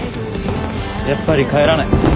やっぱり帰らない。